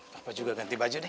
bapak juga ganti baju deh